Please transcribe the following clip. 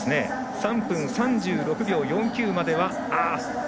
３分３６秒４９までは。